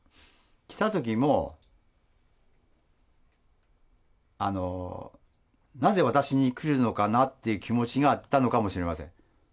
来たときも、なぜ私に来るのかなっていう気持ちがあったのかもしれません。